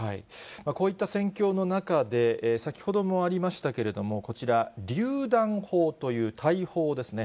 こういった戦況の中で、先ほどもありましたけれども、こちら、りゅう弾砲という大砲ですね。